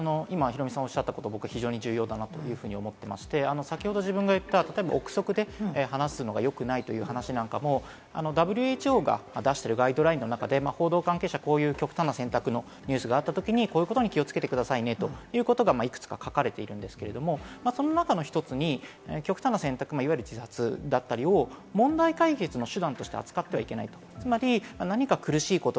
ヒロミさんがおっしゃったこと重要だと思っていまして、先ほど言った臆測で話すのがよくないという話なんかもＷＨＯが出しているガイドラインの中で、報道関係者はこういう極端な選択のニュースがあったときに、こういうことに気をつけてくださいねということが、いくつか書かれているんですけれど、その中の一つに極端な選択、自殺だったりを問題解決の手段として扱ってはいけないと。